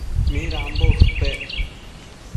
Midambo ushpec